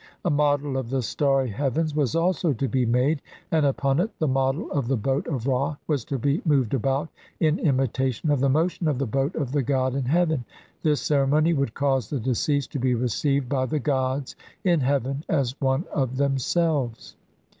A model of the starry CLVIII INTRODUCTION. heavens was also to be made and upon it the model of the boat of Ra was to be moved about, in imitation of the motion of the boat of the god in heaven ; this ceremony would cause the deceased to be received by the gods in heaven as one of themselves.